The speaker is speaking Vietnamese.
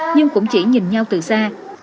nhưng cũng chỉ nhìn nhau từ xa